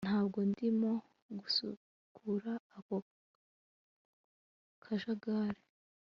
ntabwo ndimo gusukura ako kajagari